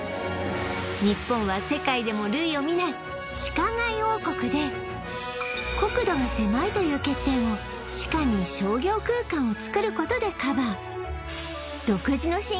日本は世界でも類を見ない地下街王国で国土が狭いという欠点を地下に商業空間をつくることでカバー